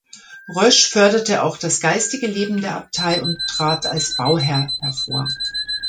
Rösch förderte auch das geistige Leben der Abtei und trat als Bauherr hervor.